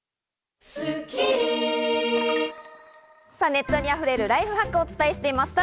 ネットに溢れるライフハックをお伝えしています。